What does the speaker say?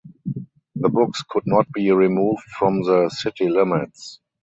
The books could not be removed from the city limits.